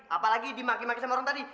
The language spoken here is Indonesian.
apalagi dimaki maki sama orang tadi